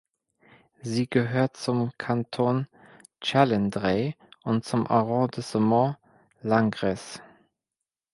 Sie gehört zum Kanton Chalindrey und zum Arrondissement Langres.